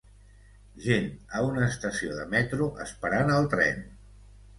Gent a una estació de metro esperant el tren.